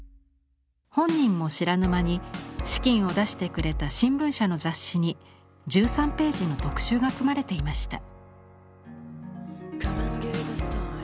本人も知らぬ間に資金を出してくれた新聞社の雑誌に１３ページの特集が組まれていました。